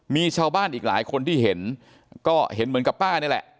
มีชาวบ้านอีกหลายคนที่เห็นก็เห็นเหมือนกับป้านี่แหละ